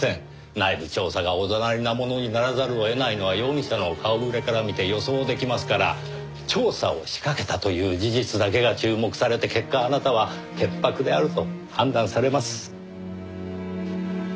内部調査がおざなりなものにならざるを得ないのは容疑者の顔ぶれから見て予想出来ますから調査を仕掛けたという事実だけが注目されて結果あなたは潔白であると判断されます。